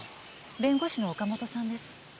弁護士の岡本さんです。